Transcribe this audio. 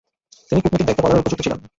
তিনি কূটনীতিক দায়িত্ব পালনের উপযুক্ত ছিলেন।